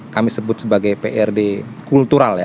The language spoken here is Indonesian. kami sebut sebagai prd kultural ya